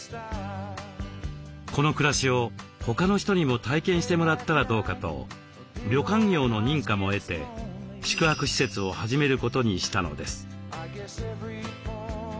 この暮らしを他の人にも体験してもらったらどうかと旅館業の認可も得て宿泊施設を始めることにしたのです。